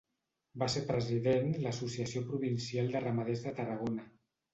Va ser president l’Associació Provincial de Ramaders de Tarragona.